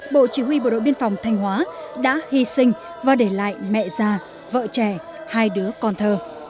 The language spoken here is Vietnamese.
bộ chỉ huy bộ đội biên phòng thanh hóa đã hy sinh và để lại mẹ già vợ trẻ hai đứa con thơ